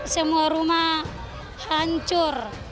semua rumah hancur